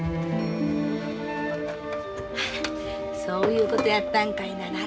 そういうことやったんかいな。